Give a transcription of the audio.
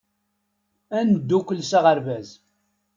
Ad neddukkel s aɣerbaz.